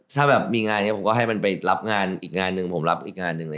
ถ้ามีงานผมให้มันไปรับงานมือหนึ่ง